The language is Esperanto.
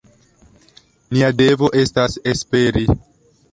Nia devo estas esperi.